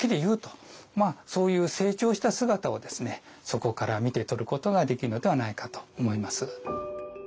そういう成長した姿をそこから見て取ることができるのではないかと思います。